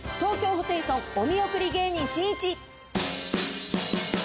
ホテイソンお見送り芸人しんいち。